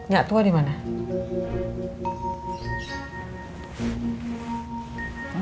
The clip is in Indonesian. gak tua dimana